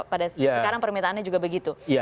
pada sekarang permintaannya juga begitu